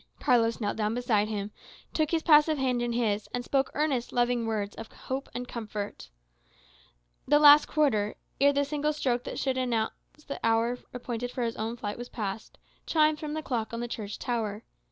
Carlos knelt down beside him, took his passive hand in his, and spoke earnest, loving words of hope and comfort. The last quarter, ere the single stroke that should announce that the hour appointed for his own flight was past, chimed from the clock on the church tower.